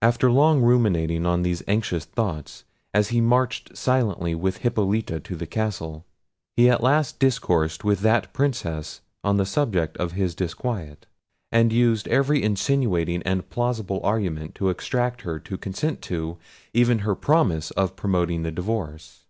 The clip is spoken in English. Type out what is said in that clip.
After long ruminating on these anxious thoughts, as he marched silently with Hippolita to the castle, he at last discoursed with that Princess on the subject of his disquiet, and used every insinuating and plausible argument to extract her consent to, even her promise of promoting the divorce.